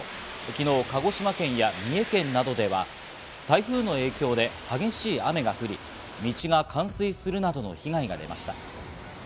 昨日、鹿児島県や三重県などでは台風の影響で激しい雨が降り、道が冠水するなどの被害が出ました。